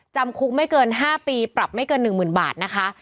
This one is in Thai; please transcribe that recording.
จำคุกไม่เกิน๕ปีปรับไม่เกิน๑๐๐๐บาทนะคะ